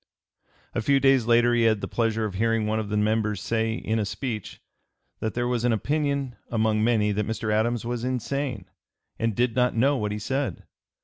A few days later he had the pleasure of hearing one of the members say, in a speech, that there was an opinion among many that Mr. Adams was insane and did not know what he said.